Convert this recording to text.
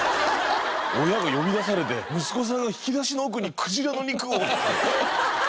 親が呼び出されて息子さんが引き出しの奥にクジラの肉をって。